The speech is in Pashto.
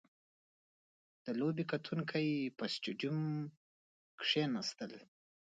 • د لوبې کتونکي په سټېډیوم کښېناستل.